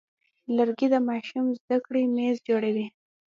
لرګی د ماشوم د زده کړې میز جوړوي.